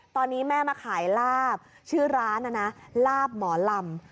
ตอนนี้แม่มาขายลาบชื่อร้านนะนะลาบหมอลำ